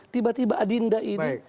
tiba tiba adinda ini